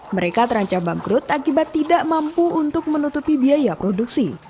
mereka terancam bangkrut akibat tidak mampu untuk menutupi biaya produksi